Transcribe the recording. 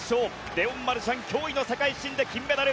レオン・マルシャン驚異の世界新で金メダル。